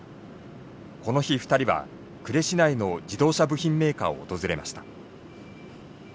この日２人は呉市内の自動車部品メーカーを訪れました。